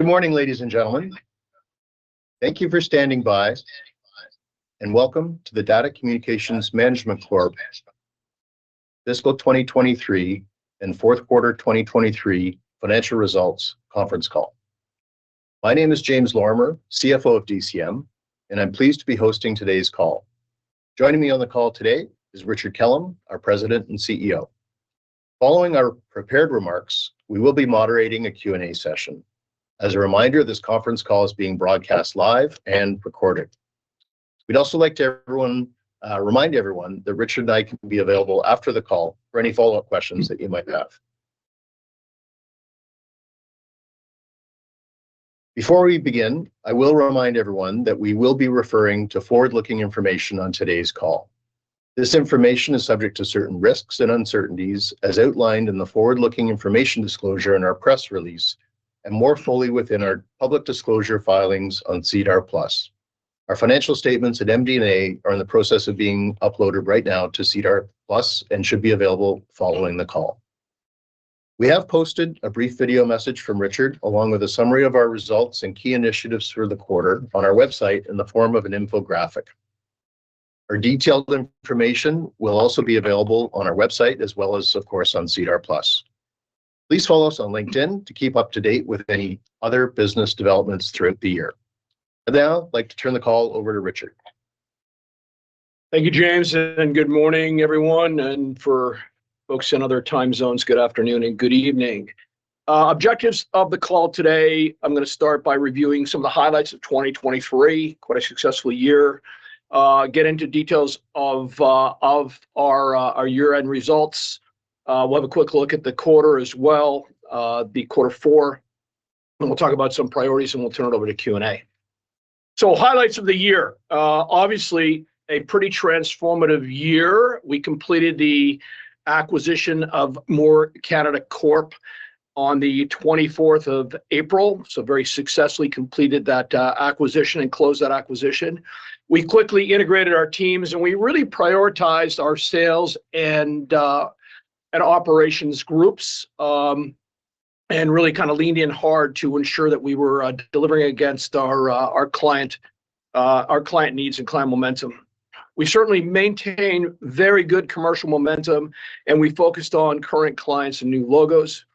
Good morning, ladies and gentlemen. Thank you for standing by, and welcome to the Data Communications Management Corp Fiscal 2023 and Q4 2023 Financial Results Conference Call. My name is James Lorimer, CFO of DCM, and I'm pleased to be hosting today's call. Joining me on the call today is Richard Kellam, our President and CEO. Following our prepared remarks, we will be moderating a Q&A session. As a reminder, this conference call is being broadcast live and recorded. We'd also like to remind everyone that Richard and I can be available after the call for any follow-up questions that you might have. Before we begin, I will remind everyone that we will be referring to forward-looking information on today's call. This information is subject to certain risks and uncertainties as outlined in the forward-looking information disclosure in our press release and more fully within our public disclosure filings on SEDAR+. Our financial statements and MD&A are in the process of being uploaded right now to SEDAR+ and should be available following the call. We have posted a brief video message from Richard along with a summary of our results and key initiatives for the quarter on our website in the form of an infographic. Our detailed information will also be available on our website as well as, of course, on SEDAR+. Please follow us on LinkedIn to keep up to date with any other business developments throughout the year. I'd now like to turn the call over to Richard. Thank you, James, and good morning, everyone. And for folks in other time zones, good afternoon and good evening. Objectives of the call today: I'm going to start by reviewing some of the highlights of 2023, quite a successful year, get into details of our year-end results. We'll have a quick look at the quarter as well, the Quarter Four, and we'll talk about some priorities, and we'll turn it over to Q&A. So highlights of the year: obviously, a pretty transformative year. We completed the acquisition of Moore Canada Corp. on the 24th of April, so very successfully completed that acquisition and closed that acquisition. We quickly integrated our teams, and we really prioritized our sales and operations groups and really kind of leaned in hard to ensure that we were delivering against our client needs and client momentum. We certainly maintained very good commercial momentum, and we focused on current clients and new logos.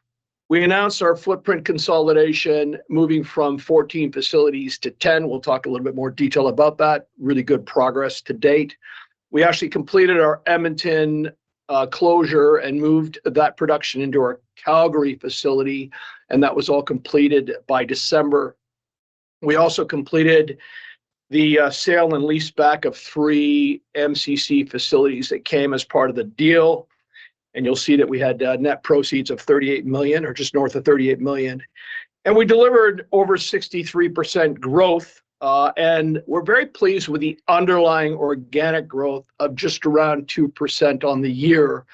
We announced our footprint consolidation, moving from 14 facilities to 10. We'll talk a little bit more detail about that. Really good progress to date. We actually completed our Edmonton closure and moved that production into our Calgary facility, and that was all completed by December. We also completed the sale and lease back of three MCC facilities that came as part of the deal, and you'll see that we had net proceeds of 38 million or just north of 38 million. We delivered over 63% growth, and we're very pleased with the underlying organic growth of just around 2% on the year.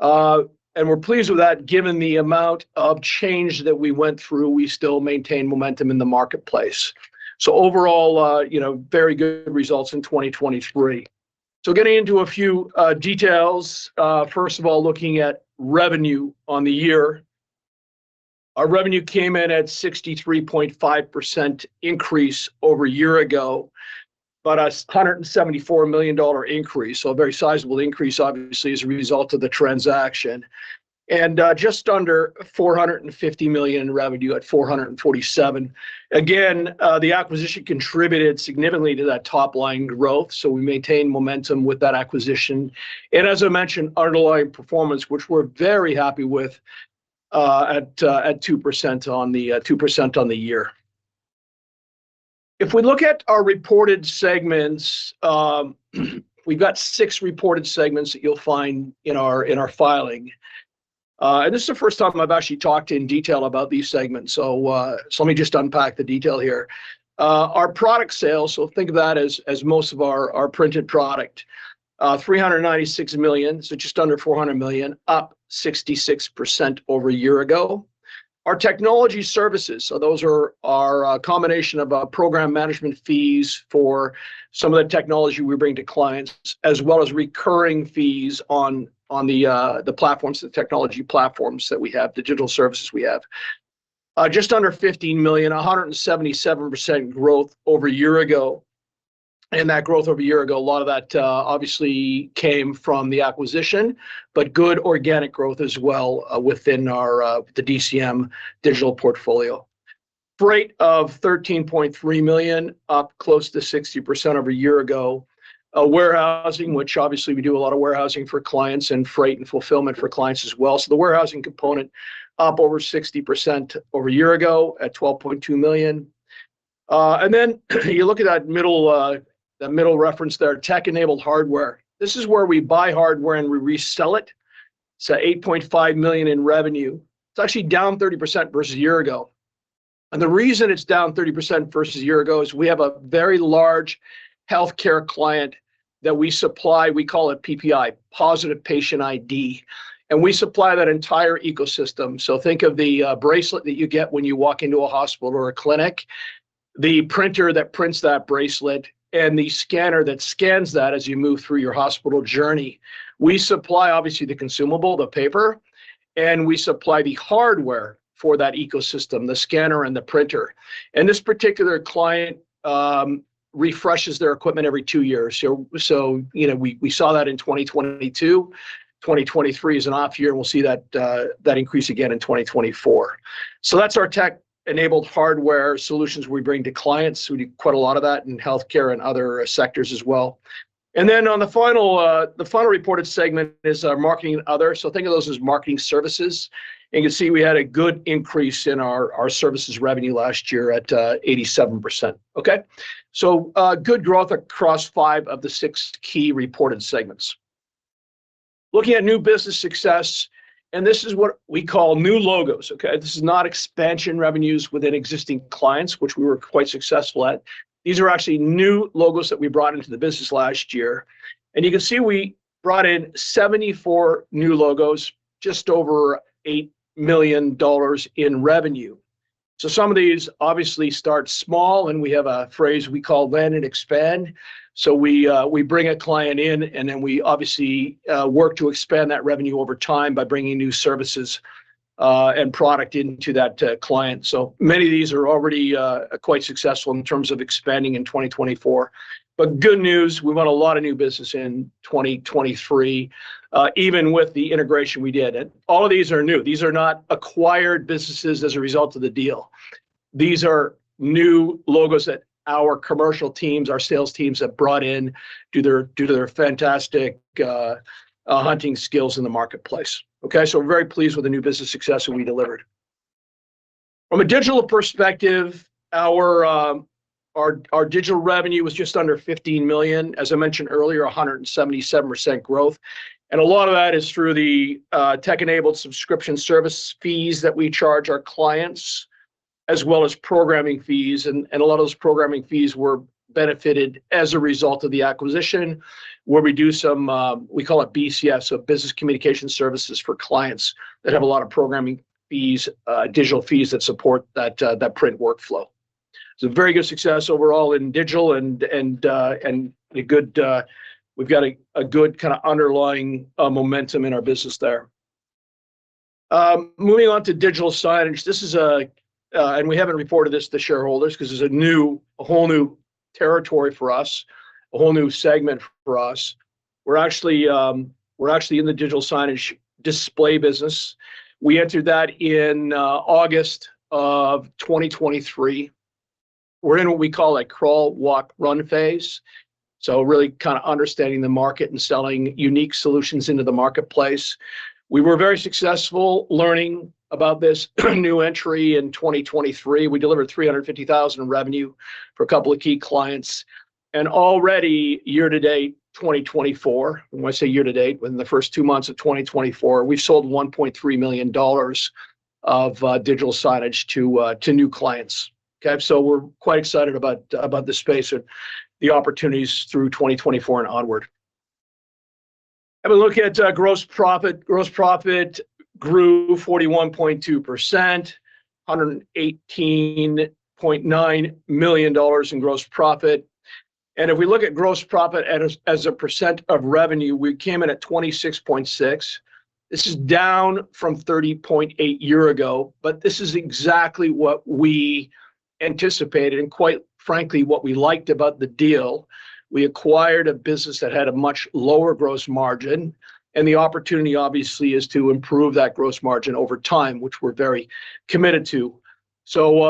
We're pleased with that given the amount of change that we went through. We still maintain momentum in the marketplace. So overall, very good results in 2023. Getting into a few details. First of all, looking at revenue on the year, our revenue came in at 63.5% increase over a year ago, but a 174 million dollar increase, so a very sizable increase, obviously, as a result of the transaction, and just under 450 million in revenue at 447 million. Again, the acquisition contributed significantly to that top-line growth, so we maintained momentum with that acquisition. As I mentioned, underlying performance, which we're very happy with, at 2% on the year. If we look at our reported segments, we've got six reported segments that you'll find in our filing. This is the first time I've actually talked in detail about these segments, so let me just unpack the detail here. Our product sales, so think of that as most of our printed product, 396 million, so just under 400 million, up 66% over a year ago. Our technology services, so those are our combination of program management fees for some of the technology we bring to clients, as well as recurring fees on the technology platforms that we have, the digital services we have. Just under 15 million, 177% growth over a year ago. And that growth over a year ago, a lot of that obviously came from the acquisition, but good organic growth as well within the DCM digital portfolio. Freight of 13.3 million, up close to 60% over a year ago. Warehousing, which obviously we do a lot of warehousing for clients and freight and fulfillment for clients as well. So the warehousing component up over 60% over a year ago at CAD 12.2 million. And then you look at that middle reference there, tech-enabled hardware. This is where we buy hardware and we resell it. It's at 8.5 million in revenue. It's actually down 30% versus a year ago. And the reason it's down 30% versus a year ago is we have a very large healthcare client that we supply. We call it PPI, Positive Patient ID. And we supply that entire ecosystem. So think of the bracelet that you get when you walk into a hospital or a clinic, the printer that prints that bracelet, and the scanner that scans that as you move through your hospital journey. We supply, obviously, the consumable, the paper, and we supply the hardware for that ecosystem, the scanner and the printer. And this particular client refreshes their equipment every two years. So we saw that in 2022. 2023 is an off year, and we'll see that increase again in 2024. So that's our tech-enabled hardware solutions we bring to clients. We do quite a lot of that in healthcare and other sectors as well. Then on the final reported segment is our marketing and other. So think of those as marketing services. And you can see we had a good increase in our services revenue last year at 87%. So good growth across five of the six key reported segments. Looking at new business success, and this is what we call new logos. This is not expansion revenues within existing clients, which we were quite successful at. These are actually new logos that we brought into the business last year. And you can see we brought in 74 new logos, just over 8 million dollars in revenue. So some of these obviously start small, and we have a phrase we call land and expand. So we bring a client in, and then we obviously work to expand that revenue over time by bringing new services and product into that client. So many of these are already quite successful in terms of expanding in 2024. But good news, we brought a lot of new business in 2023, even with the integration we did. And all of these are new. These are not acquired businesses as a result of the deal. These are new logos that our commercial teams, our sales teams have brought in due to their fantastic hunting skills in the marketplace. So we're very pleased with the new business success that we delivered. From a digital perspective, our digital revenue was just under 15 million. As I mentioned earlier, 177% growth. And a lot of that is through the tech-enabled subscription service fees that we charge our clients, as well as programming fees. A lot of those programming fees were benefited as a result of the acquisition where we do some, we call it BCS, so Business Communication Services for clients that have a lot of programming fees, digital fees that support that print workflow. It's a very good success overall in digital and a good, we've got a good kind of underlying momentum in our business there. Moving on to digital signage, this is a and we haven't reported this to shareholders because it's a whole new territory for us, a whole new segment for us. We're actually in the digital signage display business. We entered that in August of 2023. We're in what we call a crawl, walk, run phase. So really kind of understanding the market and selling unique solutions into the marketplace. We were very successful learning about this new entry in 2023. We delivered 350,000 in revenue for a couple of key clients. Already year to date, 2024, and when I say year to date, within the first two months of 2024, we've sold 1.3 million dollars of digital signage to new clients. We're quite excited about the space and the opportunities through 2024 and onward. Have a look at gross profit. Gross profit grew 41.2%, 118.9 million dollars in gross profit. If we look at gross profit as a percent of revenue, we came in at 26.6%. This is down from 30.8% a year ago, but this is exactly what we anticipated and quite frankly, what we liked about the deal. We acquired a business that had a much lower gross margin, and the opportunity obviously is to improve that gross margin over time, which we're very committed to.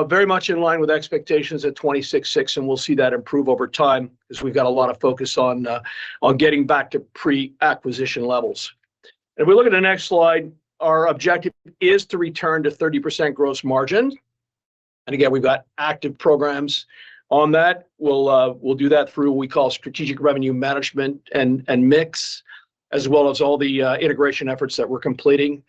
Very much in line with expectations at 26.6%, and we'll see that improve over time because we've got a lot of focus on getting back to pre-acquisition levels. If we look at the next slide, our objective is to return to 30% gross margin. Again, we've got active programs on that. We'll do that through what we call strategic revenue management and mix, as well as all the integration efforts that we're completing.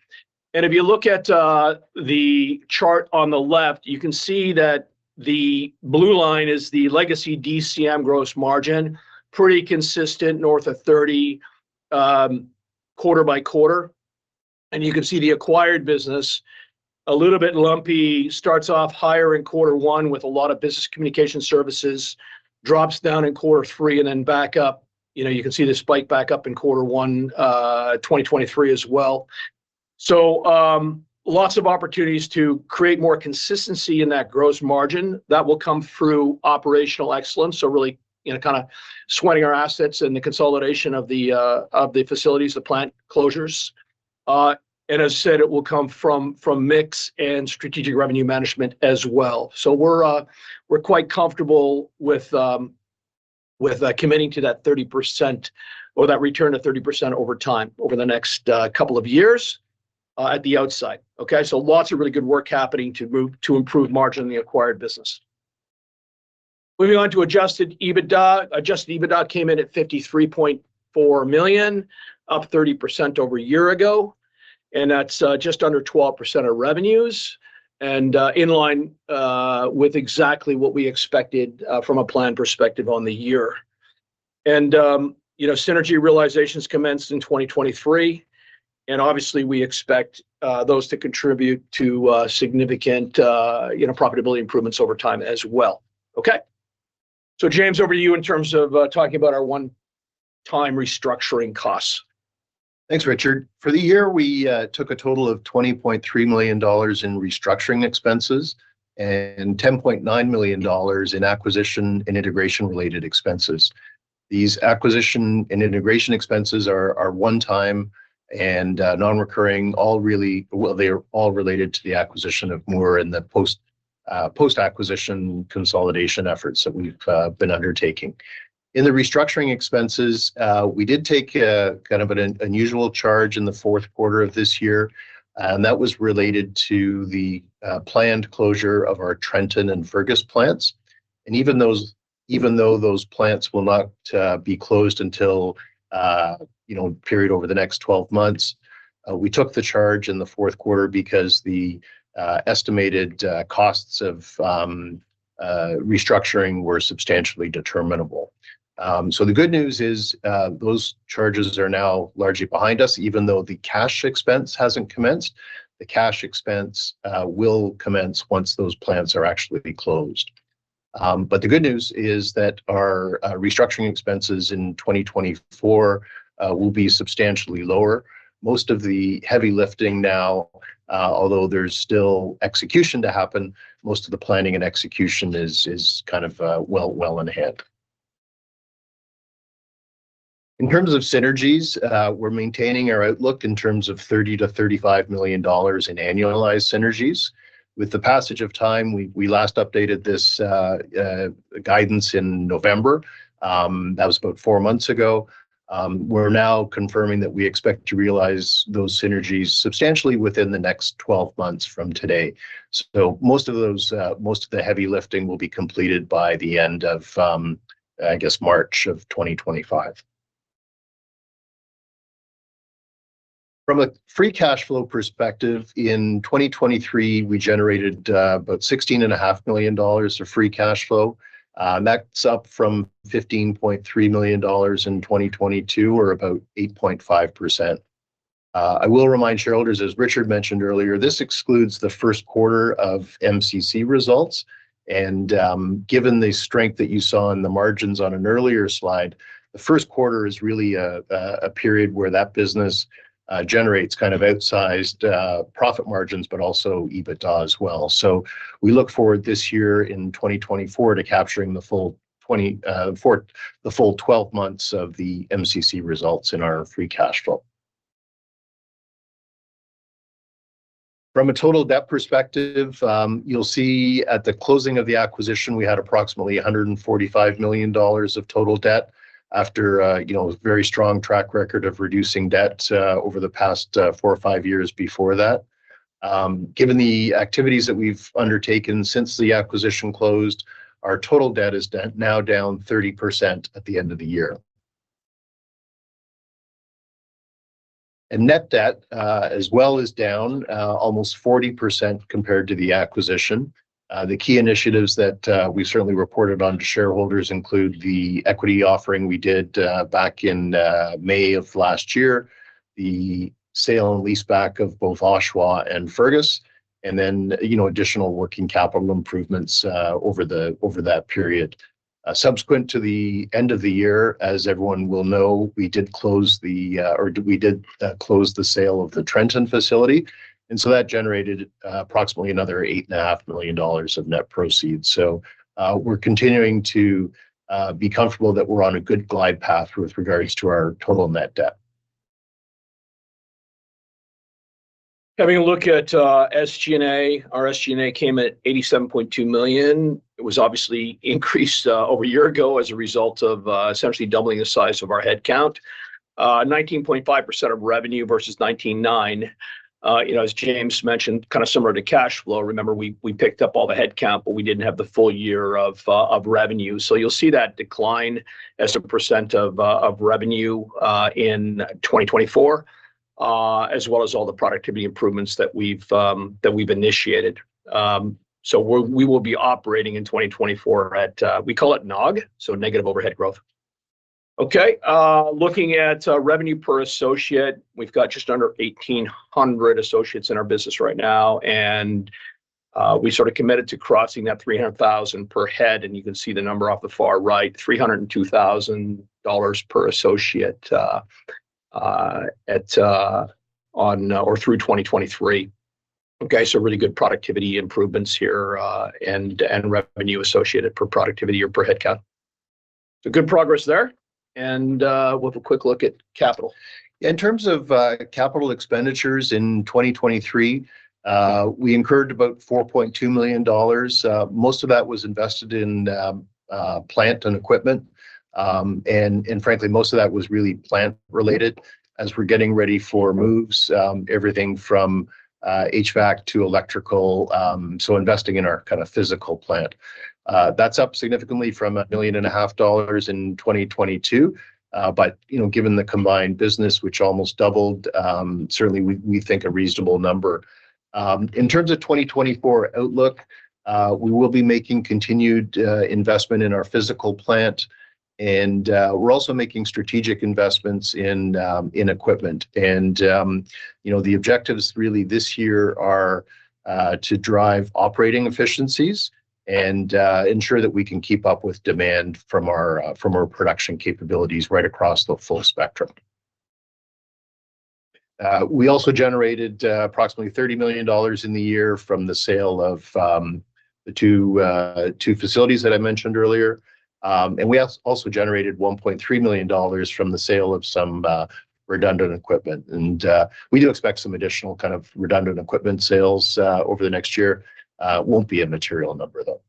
If you look at the chart on the left, you can see that the blue line is the legacy DCM gross margin, pretty consistent north of 30% quarter by quarter. You can see the acquired business, a little bit lumpy, starts off higher in Quarter One with a lot of business communication services, drops down in Quarter Three, and then back up. You can see the spike back up in Quarter One 2023 as well. So lots of opportunities to create more consistency in that gross margin that will come through operational excellence. So really kind of sweating our assets and the consolidation of the facilities, the plant closures. And as I said, it will come from mix and strategic revenue management as well. So we're quite comfortable with committing to that 30% or that return of 30% over time over the next couple of years at the outside. So lots of really good work happening to improve margin in the acquired business. Moving on to Adjusted EBITDA, Adjusted EBITDA came in at 53.4 million, up 30% over a year ago. And that's just under 12% of revenues and in line with exactly what we expected from a plan perspective on the year. And synergy realizations commenced in 2023. Obviously, we expect those to contribute to significant profitability improvements over time as well. James, over to you in terms of talking about our one-time restructuring costs. Thanks, Richard. For the year, we took a total of 20.3 million dollars in restructuring expenses and 10.9 million dollars in acquisition and integration-related expenses. These acquisition and integration expenses are one-time and non-recurring. They're all related to the acquisition of Moore and the post-acquisition consolidation efforts that we've been undertaking. In the restructuring expenses, we did take kind of an unusual charge in the Q4 of this year, and that was related to the planned closure of our Trenton and Fergus plants. Even though those plants will not be closed until a period over the next 12 months, we took the charge in the Q4 because the estimated costs of restructuring were substantially determinable. The good news is those charges are now largely behind us, even though the cash expense hasn't commenced. The cash expense will commence once those plants are actually closed. But the good news is that our restructuring expenses in 2024 will be substantially lower. Most of the heavy lifting now, although there's still execution to happen, most of the planning and execution is kind of well in hand. In terms of synergies, we're maintaining our outlook in terms of 30 million-35 million dollars in annualized synergies. With the passage of time, we last updated this guidance in November. That was about four months ago. We're now confirming that we expect to realize those synergies substantially within the next 12 months from today. So most of the heavy lifting will be completed by the end of, I guess, March of 2025. From a free cash flow perspective, in 2023, we generated about 16.5 million dollars of free cash flow. That's up from 15.3 million dollars in 2022, or about 8.5%. I will remind shareholders, as Richard mentioned earlier, this excludes the Q1 of MCC results. Given the strength that you saw in the margins on an earlier slide, the Q1 is really a period where that business generates kind of outsized profit margins, but also EBITDA as well. We look forward this year in 2024 to capturing the full 12 months of the MCC results in our free cash flow. From a total debt perspective, you'll see at the closing of the acquisition, we had approximately 145 million dollars of total debt after a very strong track record of reducing debt over the past four or five years before that. Given the activities that we've undertaken since the acquisition closed, our total debt is now down 30% at the end of the year. Net debt as well is down almost 40% compared to the acquisition. The key initiatives that we've certainly reported on to shareholders include the equity offering we did back in May of last year, the sale and leaseback of both Oshawa and Fergus, and then additional working capital improvements over that period. Subsequent to the end of the year, as everyone will know, we did close the sale of the Trenton facility. And so that generated approximately another 8.5 million dollars of net proceeds. So we're continuing to be comfortable that we're on a good glide path with regards to our total net debt. Having a look at SG&A, our SG&A came at 87.2 million. It was obviously increased over a year ago as a result of essentially doubling the size of our headcount, 19.5% of revenue versus 19.9%. As James mentioned, kind of similar to cash flow, remember, we picked up all the headcount, but we didn't have the full year of revenue. So you'll see that decline as a percent of revenue in 2024, as well as all the productivity improvements that we've initiated. So we will be operating in 2024 at, we call it NOG, so negative overhead growth. Looking at revenue per associate, we've got just under 1,800 associates in our business right now. We sort of committed to crossing that 300,000 per head. You can see the number off the far right, 302,000 dollars per associate on or through 2023. Really good productivity improvements here and revenue associated per productivity or per headcount. Good progress there. We'll have a quick look at capital. In terms of capital expenditures in 2023, we incurred about 4.2 million dollars. Most of that was invested in plant and equipment. Frankly, most of that was really plant-related as we're getting ready for moves, everything from HVAC to electrical. So investing in our kind of physical plant. That's up significantly from 1.5 million in 2022. Given the combined business, which almost doubled, certainly we think a reasonable number. In terms of 2024 outlook, we will be making continued investment in our physical plant. We're also making strategic investments in equipment. The objectives really this year are to drive operating efficiencies and ensure that we can keep up with demand from our production capabilities right across the full spectrum. We also generated approximately 30 million dollars in the year from the sale of the two facilities that I mentioned earlier. We also generated 1.3 million dollars from the sale of some redundant equipment. We do expect some additional kind of redundant equipment sales over the next year. Won't be a material number, though.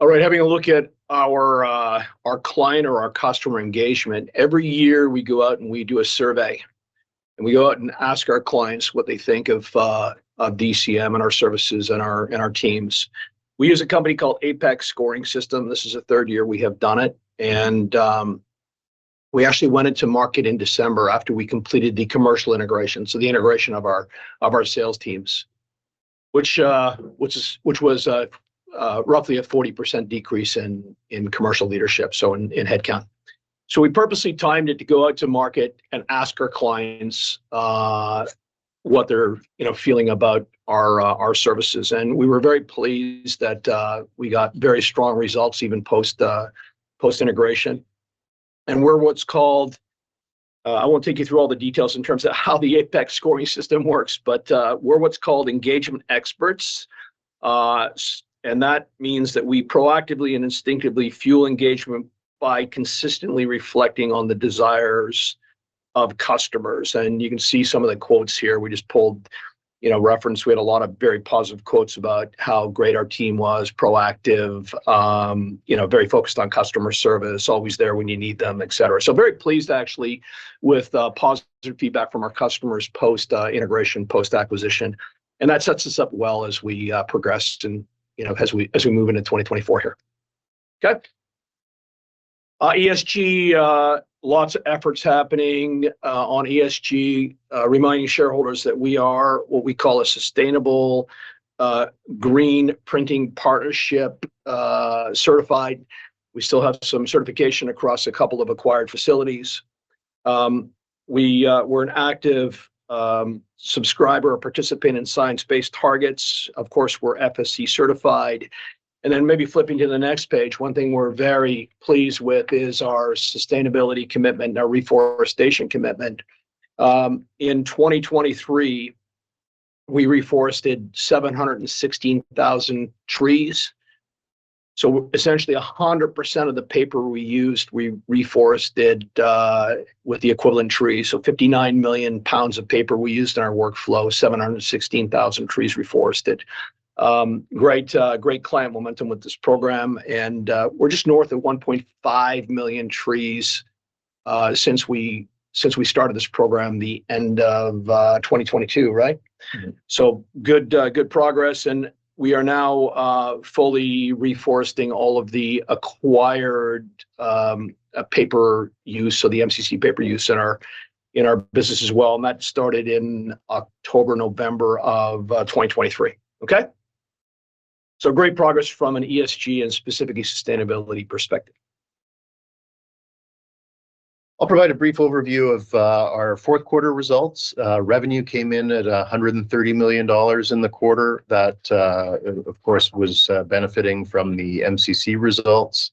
All right. Having a look at our client or our customer engagement, every year we go out and we do a survey. We go out and ask our clients what they think of DCM and our services and our teams. We use a company called Apex Scoring System. This is the third year we have done it. We actually went into market in December after we completed the commercial integration, so the integration of our sales teams, which was roughly a 40% decrease in commercial leadership, so in headcount. We purposely timed it to go out to market and ask our clients what they're feeling about our services. We were very pleased that we got very strong results even post-integration. We're what's called, I won't take you through all the details in terms of how the Apex Scoring System works, but we're what's called engagement experts. That means that we proactively and instinctively fuel engagement by consistently reflecting on the desires of customers. You can see some of the quotes here. We just pulled reference. We had a lot of very positive quotes about how great our team was, proactive, very focused on customer service, always there when you need them, etc. So very pleased actually with positive feedback from our customers post-integration, post-acquisition. That sets us up well as we progress and as we move into 2024 here. ESG, lots of efforts happening on ESG, reminding shareholders that we are what we call a Sustainable Green Printing Partnership certified. We still have some certification across a couple of acquired facilities. We're an active subscriber or participant in Science Based Targets. Of course, we're FSC certified. And then maybe flipping to the next page, one thing we're very pleased with is our sustainability commitment, our reforestation commitment. In 2023, we reforested 716,000 trees. So essentially 100% of the paper we used, we reforested with the equivalent trees. So 59 million pounds of paper we used in our workflow, 716,000 trees reforested. Great client momentum with this program. And we're just north of 1.5 million trees since we started this program the end of 2022. So good progress. And we are now fully reforesting all of the acquired paper use, so the MCC paper use in our business as well. And that started in October, November of 2023. So great progress from an ESG and specifically sustainability perspective. I'll provide a brief overview of our Q4 results. Revenue came in at 130 million dollars in the quarter. That, of course, was benefiting from the MCC results.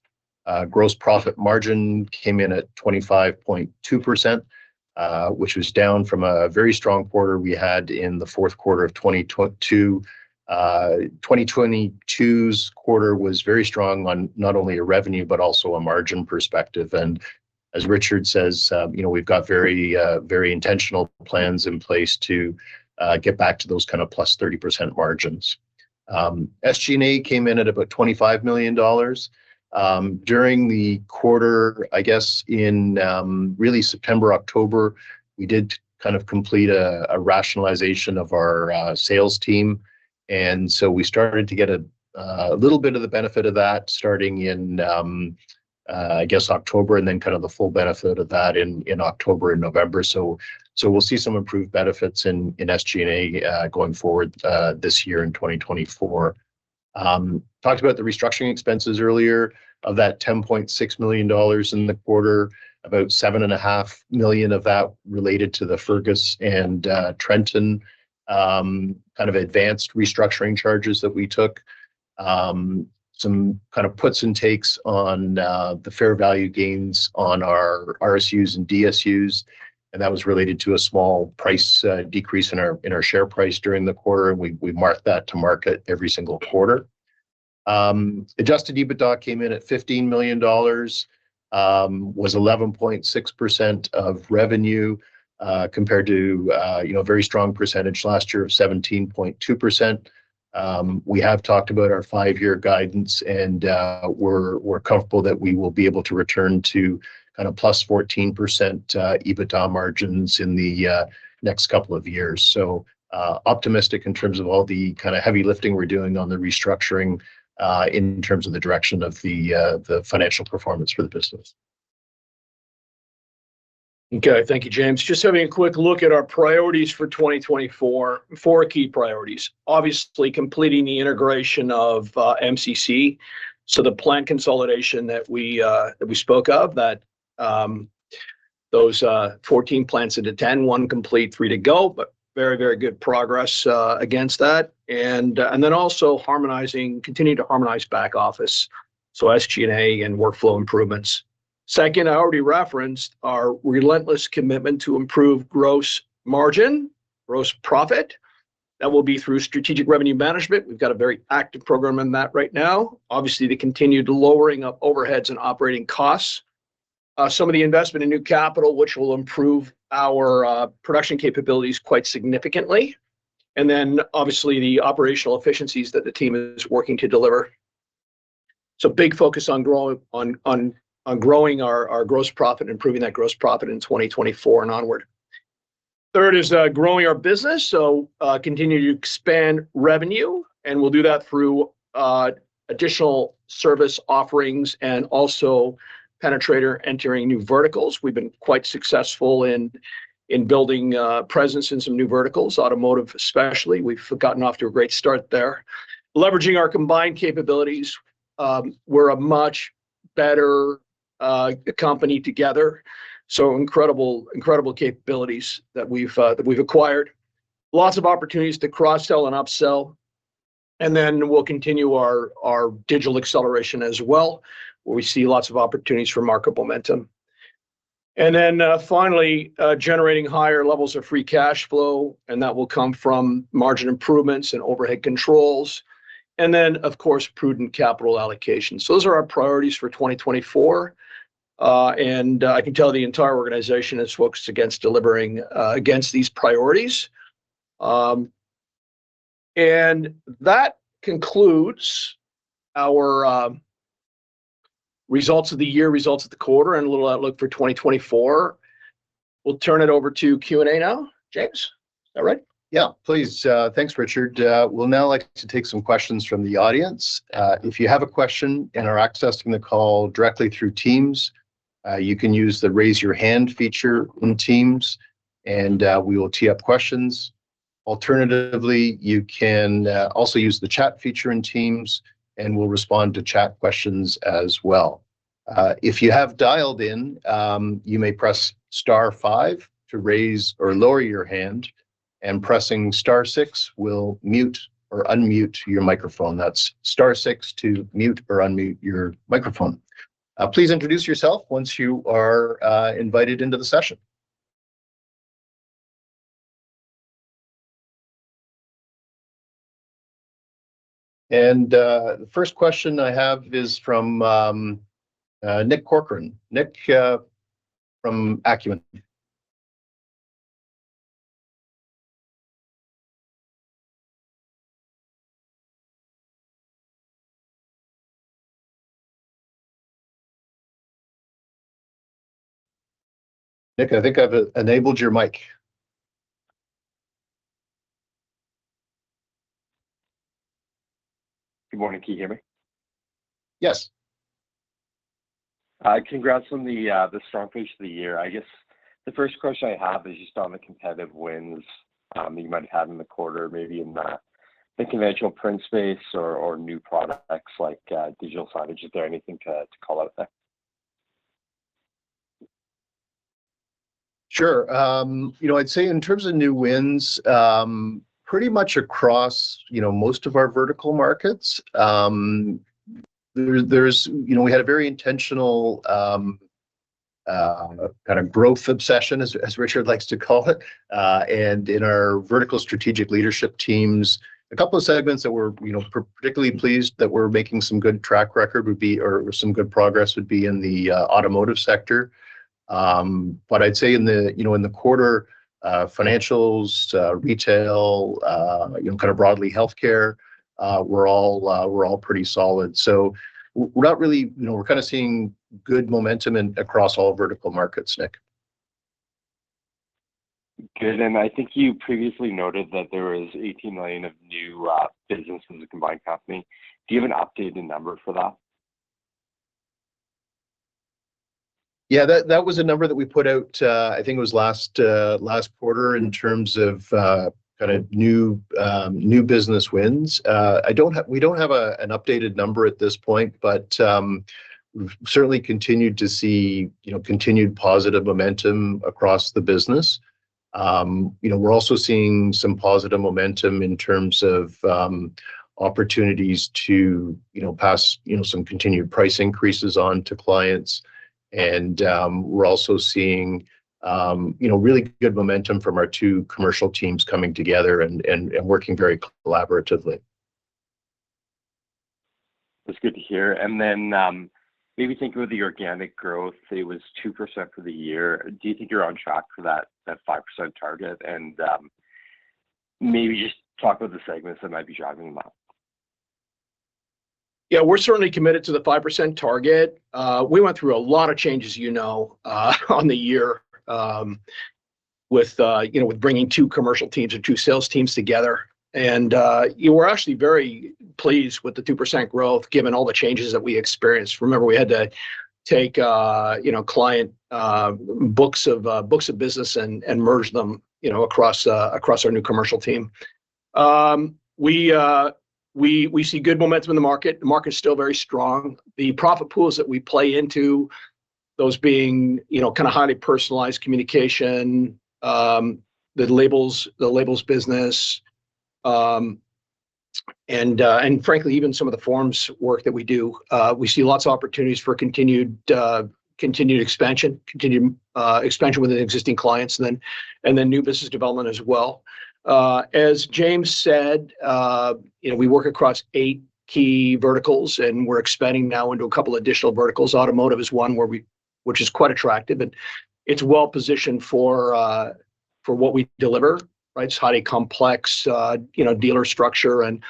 Gross profit margin came in at 25.2%, which was down from a very strong quarter we had in the Q4 of 2022. 2022's quarter was very strong on not only a revenue, but also a margin perspective. As Richard says, we've got very intentional plans in place to get back to those kind of plus 30% margins. SG&A came in at about 25 million dollars. During the quarter, I guess in really September, October, we did kind of complete a rationalization of our sales team. So we started to get a little bit of the benefit of that starting in, I guess, October, and then kind of the full benefit of that in October and November. We'll see some improved benefits in SG&A going forward this year in 2024. Talked about the restructuring expenses earlier of that 10.6 million dollars in the quarter, about 7.5 million of that related to the Fergus and Trenton kind of advanced restructuring charges that we took, some kind of puts and takes on the fair value gains on our RSUs and DSUs. That was related to a small price decrease in our share price during the quarter. We marked that to market every single quarter. Adjusted EBITDA came in at 15 million dollars, was 11.6% of revenue compared to a very strong percentage last year of 17.2%. We have talked about our five-year guidance, and we're comfortable that we will be able to return to kind of plus 14% EBITDA margins in the next couple of years. So optimistic in terms of all the kind of heavy lifting we're doing on the restructuring in terms of the direction of the financial performance for the business. Okay. Thank you, James. Just having a quick look at our priorities for 2024, four key priorities. Obviously, completing the integration of MCC, so the plant consolidation that we spoke of, those 14 plants into 10, one complete, three to go, but very, very good progress against that. And then also continuing to harmonize back office, so SG&A and workflow improvements. Second, I already referenced our relentless commitment to improve gross margin, gross profit. That will be through strategic revenue management. We've got a very active program in that right now. Obviously, the continued lowering of overheads and operating costs, some of the investment in new capital, which will improve our production capabilities quite significantly. And then obviously, the operational efficiencies that the team is working to deliver. So big focus on growing our gross profit, improving that gross profit in 2024 and onward. Third is growing our business, so continue to expand revenue. And we'll do that through additional service offerings and also penetrating entering new verticals. We've been quite successful in building presence in some new verticals, automotive especially. We've gotten off to a great start there. Leveraging our combined capabilities, we're a much better company together. So incredible capabilities that we've acquired, lots of opportunities to cross-sell and upsell. And then we'll continue our digital acceleration as well, where we see lots of opportunities for market momentum. And then finally, generating higher levels of free cash flow. And that will come from margin improvements and overhead controls. And then, of course, prudent capital allocation. So those are our priorities for 2024. I can tell the entire organization is focused against these priorities. That concludes our results of the year, results of the quarter, and a little outlook for 2024. We'll turn it over to Q&A now, James. Is that right? Yeah, please. Thanks, Richard. We'll now like to take some questions from the audience. If you have a question and are accessing the call directly through Teams, you can use the raise your hand feature in Teams, and we will tee up questions. Alternatively, you can also use the chat feature in Teams, and we'll respond to chat questions as well. If you have dialed in, you may press star five to raise or lower your hand. Pressing star six will mute or unmute your microphone. That's star six to mute or unmute your microphone. Please introduce yourself once you are invited into the session. The first question I have is from Nick Corcoran, Nick from Acumen Capital. Nick, I think I've enabled your mic. Good morning. Can you hear me? Yes. Congrats on the strong quarter of the year. I guess the first question I have is just on the competitive wins that you might have had in the quarter, maybe in the conventional print space or new products like digital signage. Is there anything to call out there? Sure. I'd say in terms of new wins, pretty much across most of our vertical markets, we had a very intentional kind of growth obsession, as Richard likes to call it. And in our vertical strategic leadership teams, a couple of segments that we're particularly pleased that we're making some good track record or some good progress would be in the automotive sector. But I'd say in the quarter, financials, retail, kind of broadly healthcare, we're all pretty solid. So we're not really, we're kind of seeing good momentum across all vertical markets, Nick. Good. I think you previously noted that there was 18 million of new businesses in the combined company. Do you have an updated number for that? Yeah, that was a number that we put out, I think it was last quarter, in terms of kind of new business wins. We don't have an updated number at this point, but we've certainly continued to see continued positive momentum across the business. We're also seeing some positive momentum in terms of opportunities to pass some continued price increases on to clients. We're also seeing really good momentum from our two commercial teams coming together and working very collaboratively. That's good to hear. And then maybe thinking of the organic growth, it was 2% for the year. Do you think you're on track for that 5% target? And maybe just talk about the segments that might be driving them up. Yeah, we're certainly committed to the 5% target. We went through a lot of changes, you know, on the year with bringing two commercial teams or two sales teams together. We're actually very pleased with the 2% growth, given all the changes that we experienced. Remember, we had to take client books of business and merge them across our new commercial team. We see good momentum in the market. The market is still very strong. The profit pools that we play into, those being kind of highly personalized communication, the labels business, and frankly, even some of the forms work that we do, we see lots of opportunities for continued expansion, continued expansion within existing clients, and then new business development as well. As James said, we work across eight key verticals, and we're expanding now into a couple of additional verticals. Automotive is one, which is quite attractive, and it's well positioned for what we deliver. It's highly complex dealer structure. And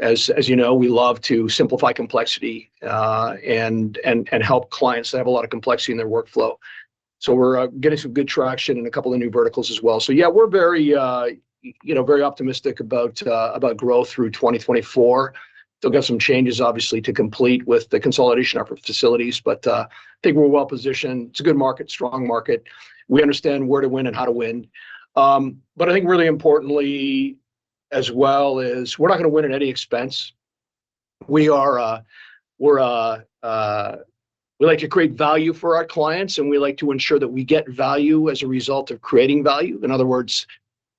as you know, we love to simplify complexity and help clients that have a lot of complexity in their workflow. So we're getting some good traction in a couple of new verticals as well. So yeah, we're very optimistic about growth through 2024. They'll get some changes, obviously, to complete with the consolidation of facilities. But I think we're well positioned. It's a good market, strong market. We understand where to win and how to win. But I think really importantly as well is we're not going to win at any expense. We like to create value for our clients, and we like to ensure that we get value as a result of creating value. In other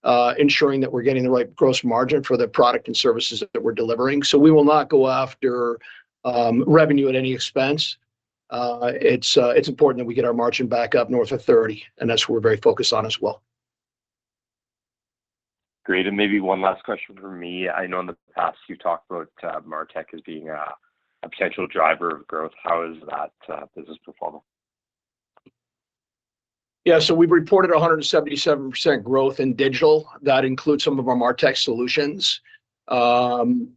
words, ensuring that we're getting the right gross margin for the product and services that we're delivering. So we will not go after revenue at any expense. It's important that we get our margin back up north of 30%, and that's what we're very focused on as well. Great. And maybe one last question from me. I know in the past you've talked about MarTech as being a potential driver of growth. How has that business performed? Yeah, so we've reported 177% growth in digital. That includes some of our MarTech solutions.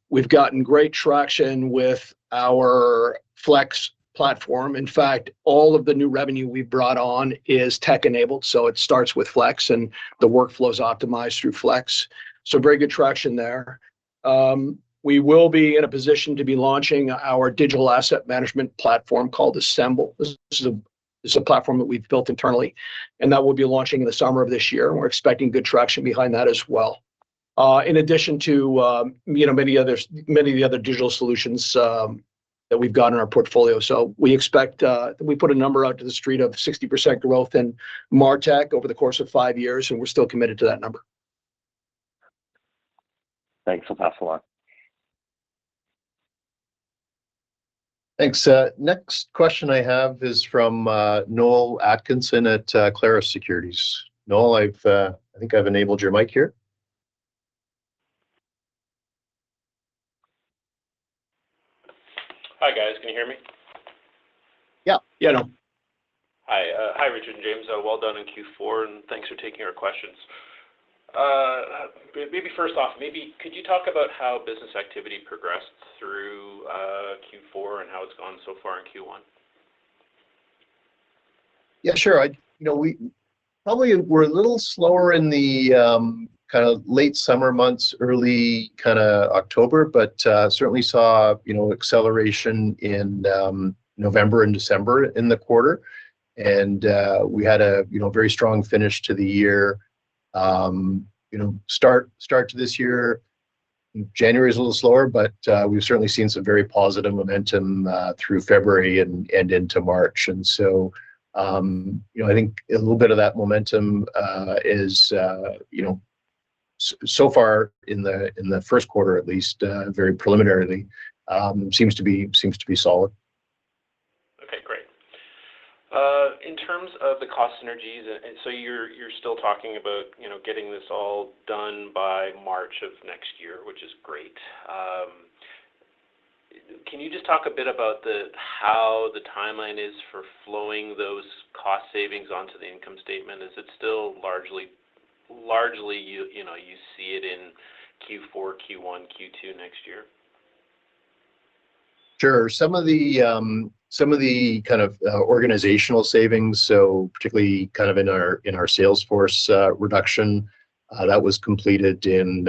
We've gotten great traction with our Flex platform. In fact, all of the new revenue we've brought on is tech-enabled. So it starts with Flex, and the workflow is optimized through Flex. So very good traction there. We will be in a position to be launching our digital asset management platform called ASMBL. This is a platform that we've built internally, and that will be launching in the summer of this year. We're expecting good traction behind that as well, in addition to many of the other digital solutions that we've got in our portfolio. So we expect we put a number out to the street of 60% growth in MarTech over the course of five years, and we're still committed to that number. Thanks. We'll pass along. Thanks. Next question I have is from Noel Atkinson at Clarus Securities. Noel, I think I've enabled your mic here. Hi, guys. Can you hear me? Yeah. Yeah, I know. Hi. Hi, Richard and James. Well done in Q4, and thanks for taking our questions. Maybe first off, could you talk about how business activity progressed through Q4 and how it's gone so far in Q1? Yeah, sure. Probably we're a little slower in the kind of late summer months, early kind of October, but certainly saw acceleration in November and December in the quarter. And we had a very strong finish to the year, start to this year. January is a little slower, but we've certainly seen some very positive momentum through February and into March. And so I think a little bit of that momentum is so far in the Q1, at least very preliminarily, seems to be solid. Okay, great. In terms of the cost synergies, so you're still talking about getting this all done by March of next year, which is great. Can you just talk a bit about how the timeline is for flowing those cost savings onto the income statement? Is it still largely you see it in Q4, Q1, Q2 next year? Sure. Some of the kind of organizational savings, so particularly kind of in our sales force reduction, that was completed in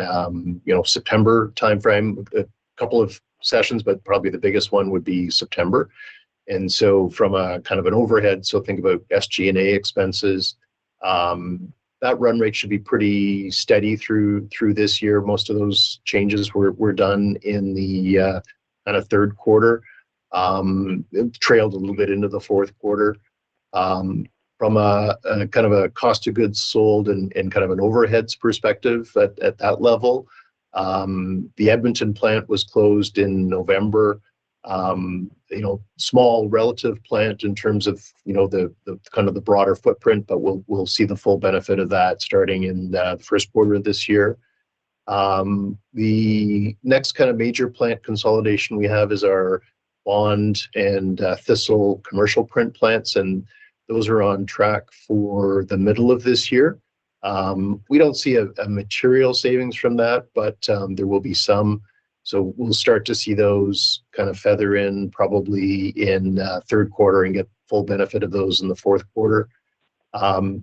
September timeframe, a couple of sessions, but probably the biggest one would be September. And so from a kind of an overhead, so think about SG&A expenses, that run rate should be pretty steady through this year. Most of those changes were done in the kind of Q3, trailed a little bit into the Q4. From kind of a cost of goods sold and kind of an overheads perspective at that level, the Edmonton plant was closed in November, small relative plant in terms of kind of the broader footprint, but we'll see the full benefit of that starting in the Q1 of this year. The next kind of major plant consolidation we have is our Bond and Thistle commercial print plants, and those are on track for the middle of this year. We don't see a material savings from that, but there will be some. So we'll start to see those kind of filter in probably in Q3 and get full benefit of those in the Q4.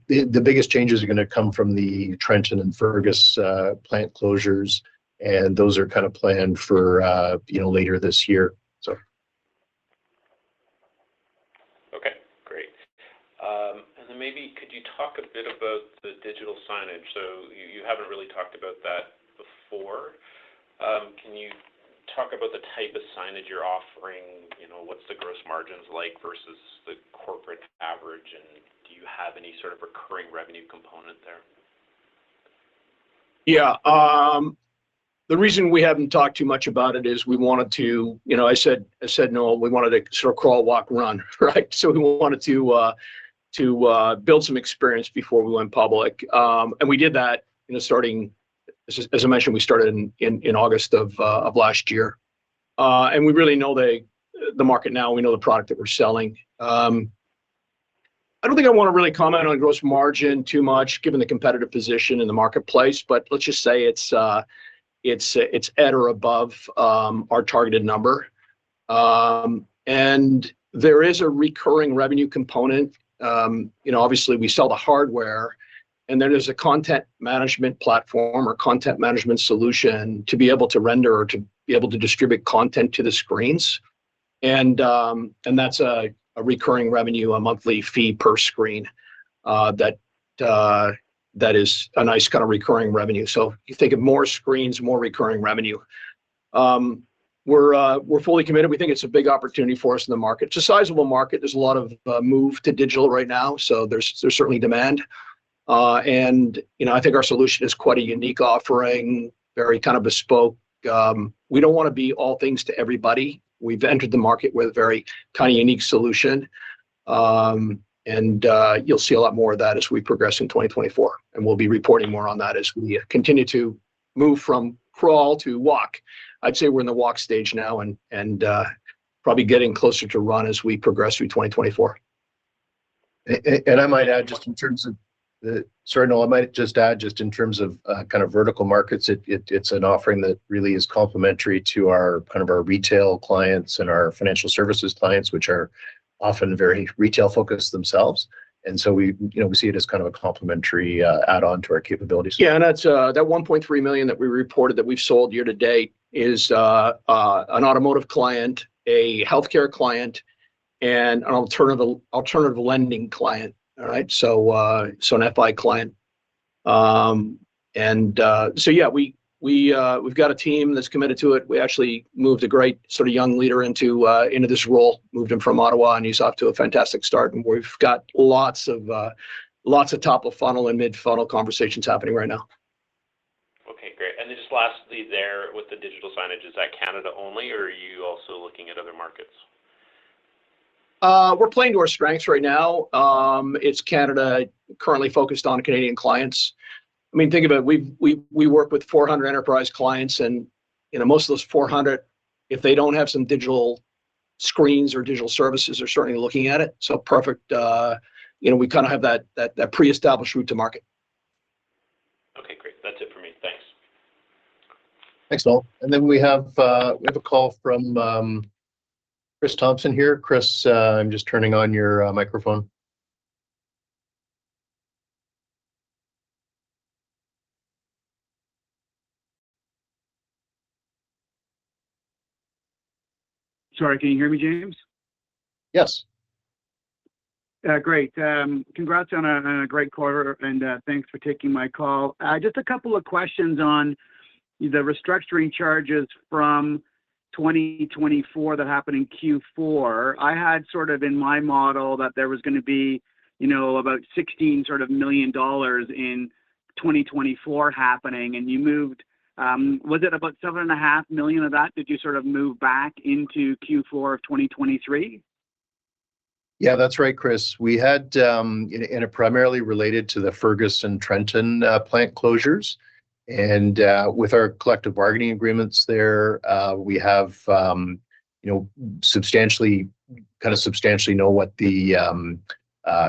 The biggest changes are going to come from the Trenton and Fergus plant closures, and those are kind of planned for later this year, so. Okay, great. Then maybe could you talk a bit about the digital signage? You haven't really talked about that before. Can you talk about the type of signage you're offering? What's the gross margins like versus the corporate average? Do you have any sort of recurring revenue component there? Yeah. The reason we haven't talked too much about it is we wanted to. I said, "Noel, we wanted to sort of crawl, walk, run," right? So we wanted to build some experience before we went public. We did that starting as I mentioned; we started in August of last year. We really know the market now. We know the product that we're selling. I don't think I want to really comment on gross margin too much, given the competitive position in the marketplace, but let's just say it's at or above our targeted number. There is a recurring revenue component. Obviously, we sell the hardware, and then there's a content management platform or content management solution to be able to render or to be able to distribute content to the screens. And that's a recurring revenue, a monthly fee per screen that is a nice kind of recurring revenue. So if you think of more screens, more recurring revenue. We're fully committed. We think it's a big opportunity for us in the market. It's a sizable market. There's a lot of move to digital right now, so there's certainly demand. And I think our solution is quite a unique offering, very kind of bespoke. We don't want to be all things to everybody. We've entered the market with a very kind of unique solution. And you'll see a lot more of that as we progress in 2024. And we'll be reporting more on that as we continue to move from crawl to walk. I'd say we're in the walk stage now and probably getting closer to run as we progress through 2024. I might add, just in terms of—sorry, Noel. I might just add just in terms of kind of vertical markets, it's an offering that really is complementary to kind of our retail clients and our financial services clients, which are often very retail-focused themselves. And so we see it as kind of a complementary add-on to our capabilities. Yeah. That 1.3 million that we reported that we've sold year to date is an automotive client, a healthcare client, and an alternative lending client, all right? So an FI client. So yeah, we've got a team that's committed to it. We actually moved a great sort of young leader into this role, moved him from Ottawa, and he's off to a fantastic start. And we've got lots of top-of-funnel and mid-funnel conversations happening right now. Okay, great. Just lastly there with the digital signage, is that Canada only, or are you also looking at other markets? We're playing to our strengths right now. It's Canada currently focused on Canadian clients. I mean, think of it. We work with 400 enterprise clients, and most of those 400, if they don't have some digital screens or digital services, are certainly looking at it. So perfect. We kind of have that pre-established route to market. Okay, great. That's it for me. Thanks. Thanks, Noel. Then we have a call from Chris Thompson here. Chris, I'm just turning on your microphone. Sorry, can you hear me, James? Yes. Great. Congrats on a great quarter, and thanks for taking my call. Just a couple of questions on the restructuring charges from 2024 that happened in Q4. I had sort of in my model that there was going to be about 16 million dollars in 2024 happening, and you moved was it about 7.5 million of that? Did you sort of move back into Q4 of 2023? Yeah, that's right, Chris. We had it primarily related to the Fergus-Trenton plant closures. And with our collective bargaining agreements there, we kind of substantially know what the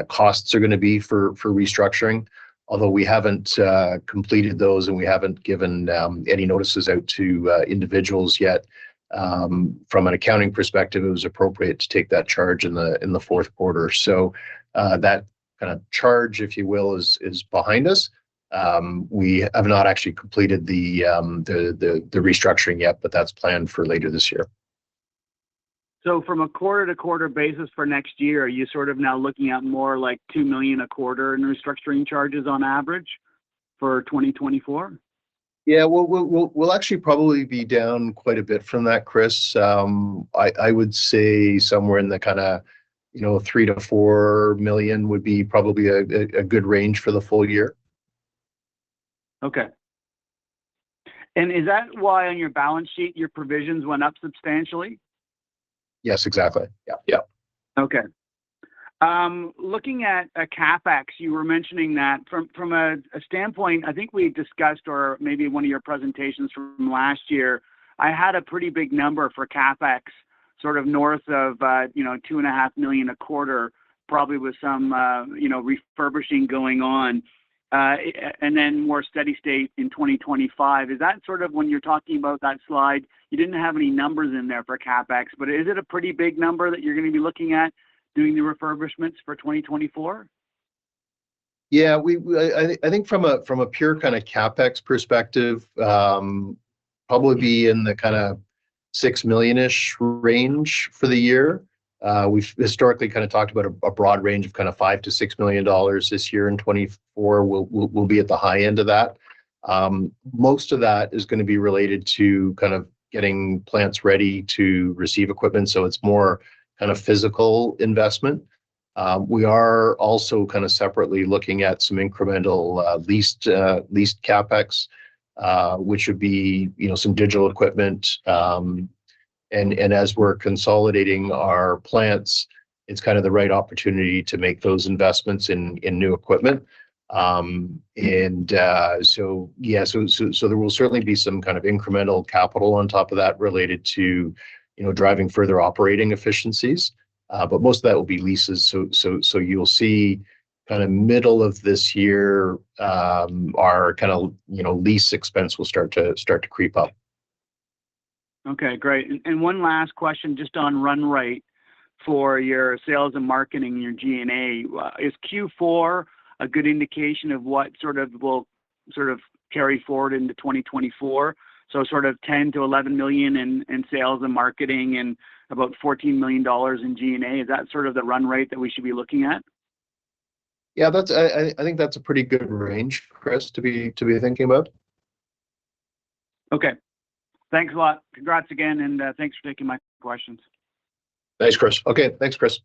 costs are going to be for restructuring, although we haven't completed those and we haven't given any notices out to individuals yet. From an accounting perspective, it was appropriate to take that charge in the Q4. So that kind of charge, if you will, is behind us. We have not actually completed the restructuring yet, but that's planned for later this year. From a quarter-to-quarter basis for next year, are you sort of now looking at more like 2 million a quarter in restructuring charges on average for 2024? Yeah, we'll actually probably be down quite a bit from that, Chris. I would say somewhere in the kind of 3 million-4 million would be probably a good range for the full year. Okay. And is that why on your balance sheet, your provisions went up substantially? Yes, exactly. Yeah. Okay. Looking at CapEx, you were mentioning that from a standpoint, I think we discussed or maybe one of your presentations from last year, I had a pretty big number for CapEx sort of north of 2.5 million a quarter, probably with some refurbishing going on, and then more steady state in 2025. Is that sort of when you're talking about that slide, you didn't have any numbers in there for CapEx, but is it a pretty big number that you're going to be looking at doing the refurbishments for 2024? Yeah. I think from a pure kind of CapEx perspective, probably be in the kind of 6 million-ish range for the year. We've historically kind of talked about a broad range of kind of 5 million-6 million dollars this year in 2024. We'll be at the high end of that. Most of that is going to be related to kind of getting plants ready to receive equipment. So it's more kind of physical investment. We are also kind of separately looking at some incremental leased CapEx, which would be some digital equipment. And as we're consolidating our plants, it's kind of the right opportunity to make those investments in new equipment. And so yeah, so there will certainly be some kind of incremental capital on top of that related to driving further operating efficiencies. But most of that will be leases. So you'll see kind of middle of this year, our kind of lease expense will start to creep up. Okay, great. And one last question just on run rate for your sales and marketing and your G&A. Is Q4 a good indication of what sort of will sort of carry forward into 2024? So sort of 10 million-11 million in sales and marketing and about 14 million dollars in G&A, is that sort of the run rate that we should be looking at? Yeah, I think that's a pretty good range, Chris, to be thinking about. Okay. Thanks a lot. Congrats again, and thanks for taking my questions. Thanks, Chris. Okay, thanks, Chris.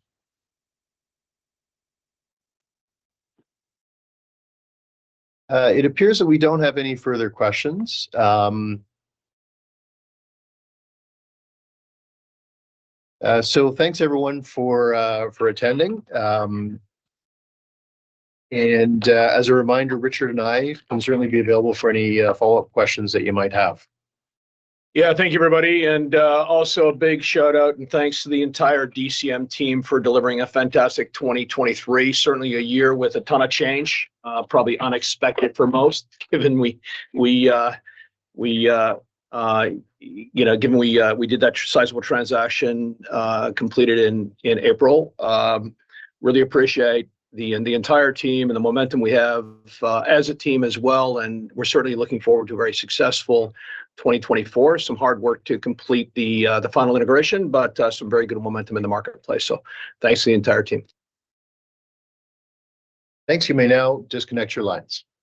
It appears that we don't have any further questions. So thanks, everyone, for attending. And as a reminder, Richard and I can certainly be available for any follow-up questions that you might have. Yeah, thank you, everybody. And also a big shout-out and thanks to the entire DCM team for delivering a fantastic 2023, certainly a year with a ton of change, probably unexpected for most, given we did that sizable transaction completed in April. Really appreciate the entire team and the momentum we have as a team as well. And we're certainly looking forward to a very successful 2024, some hard work to complete the final integration, but some very good momentum in the marketplace. So thanks to the entire team. Thanks. You may now disconnect your lines.